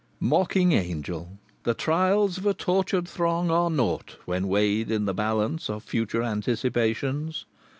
Mocking Angel! The trials of a tortured throng are naught when weighed in the balance of future anticipations.